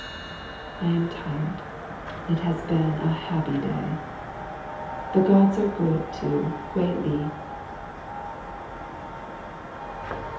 I am tired; it has been a happy day. The Gods are good to, Kwei li.